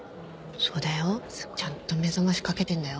そうだよちゃんと目覚ましかけてんだよ。